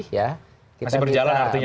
masih berjalan artinya ya prosesnya